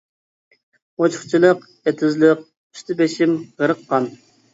ئوچۇقچىلىق، ئېتىزلىق، ئۇستى بېشىم غەرق قان.